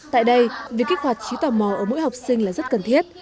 tại đây việc kích hoạt trí tò mò ở mỗi học sinh là rất cần thiết